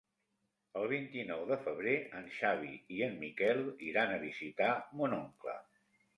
El vint-i-nou de febrer en Xavi i en Miquel iran a visitar mon oncle.